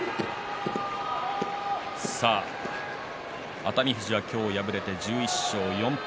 熱海富士は今日敗れて１１勝４敗。